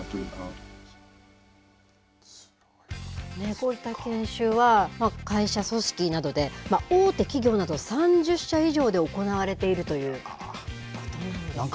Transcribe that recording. こういった研修は、会社組織などで大手企業など、３０社以上で行われているという。